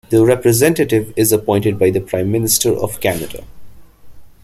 The representative is appointed by the Prime Minister of Canada.